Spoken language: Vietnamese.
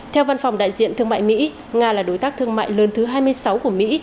theo văn phòng đại diện thương mại mỹ nga là đối tác thương mại lớn thứ hai mươi sáu của mỹ